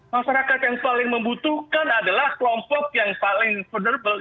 masyarakat yang paling membutuhkan adalah kelompok yang paling vulnerable